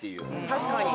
確かに。